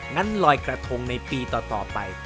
งั้นลอยกระทงในปีต่อไป